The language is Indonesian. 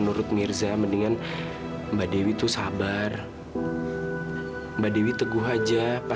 guru suka jadi orang lebih yang murah lagi apa